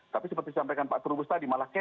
tapi seperti sampaikan pak terugus tadi malah chaos